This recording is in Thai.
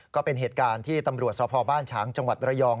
ก็เป็นเหตุการณ์ที่ตำรวจสพบ้านฉางจังหวัดระยอง